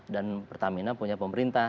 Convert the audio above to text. dan pertamina punya pemerintah